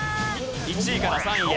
１位から３位へ。